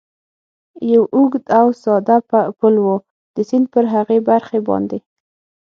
یو اوږد او ساده پل و، د سیند پر هغې برخې باندې.